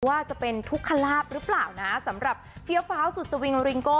ว่าจะเป็นทุกขลาบหรือเปล่านะสำหรับเฟี้ยวฟ้าวสุดสวิงริงโก้